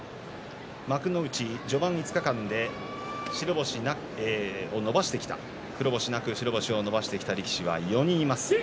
幕内序盤５日間で白星を伸ばしてきた力士は４人います。